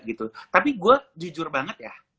gitu tapi gue jujur banget ya